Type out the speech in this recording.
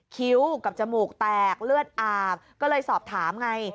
คิ้วกับจมูกแตกเลือดอาบก็เลยสอบถามไง